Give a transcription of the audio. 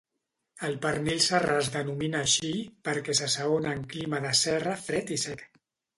El pernil serrà es denomina així perquè s'assaona en clima de serra, fred i sec.